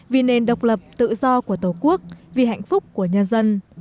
vì nền độc lập tự do của tổ quốc vì hạnh phúc của nhân dân